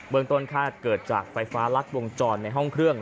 เมืองต้นคาดเกิดจากไฟฟ้ารัดวงจรในห้องเครื่อง